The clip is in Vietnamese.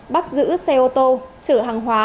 bắt giữ xe ô tô trở hàng hóa